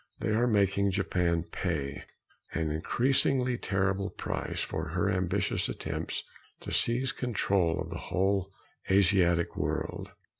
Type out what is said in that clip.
They are making Japan pay an increasingly terrible price for her ambitious attempts to seize control of the whole Asiatic world.